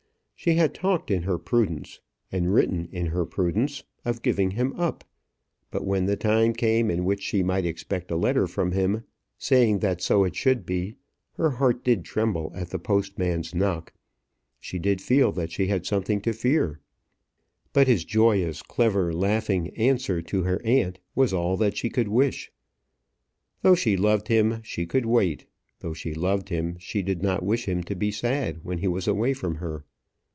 She had talked in her prudence, and written in her prudence, of giving him up; but when the time came in which she might expect a letter from him, saying that so it should be, her heart did tremble at the postman's knock; she did feel that she had something to fear. But his joyous, clever, laughing answer to her aunt was all that she could wish. Though she loved him, she could wait; though she loved him, she did not wish him to be sad when he was away from her.